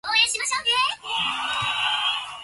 She is independent and scheming.